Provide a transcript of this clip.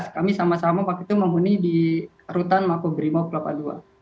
kami sama sama waktu itu memuni di rutan makur brimop lapa dua